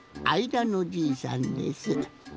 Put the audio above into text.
あいだのじいさんです。